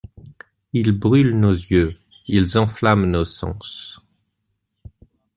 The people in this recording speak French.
Ils brûlent nos yeux, ils enflamment nos sens.